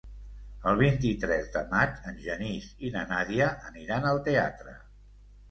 El vint-i-tres de maig en Genís i na Nàdia aniran al teatre.